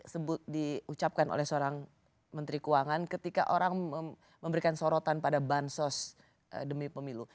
sebut diucapkan oleh seorang menteri keuangan ketika orang memberikan sorotan pada bansos demi pemilu